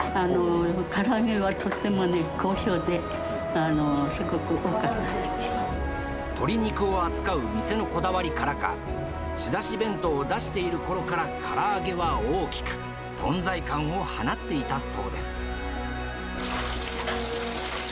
から揚げはとってもね好評で、鶏肉を扱う店のこだわりからか、仕出し弁当を出しているころからから揚げは大きく、存在感を放っていたそうです。